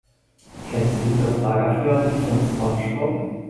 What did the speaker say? Kennst du das Lagerfeuerlied von SpongeBob?